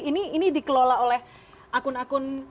ini dikelola oleh akun akun